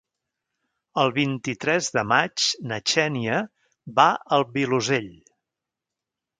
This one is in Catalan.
El vint-i-tres de maig na Xènia va al Vilosell.